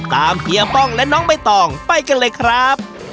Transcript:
เฮียป้องและน้องใบตองไปกันเลยครับ